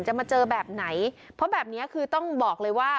มาเจอแบบไหนเพราะแบบนี้คือต้องบอกเลยว่า